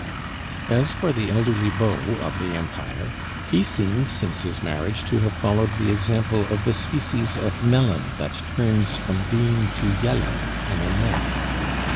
As for the elderly beau of the Empire, he seemed since his marriage to have followed the example of the species of melon that turns from green to yellow in a night.